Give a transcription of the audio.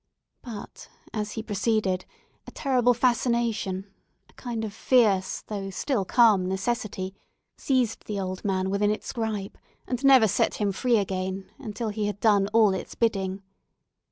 But, as he proceeded, a terrible fascination, a kind of fierce, though still calm, necessity, seized the old man within its gripe, and never set him free again until he had done all its bidding.